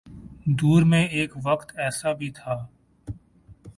دور میں ایک وقت ایسا بھی تھا۔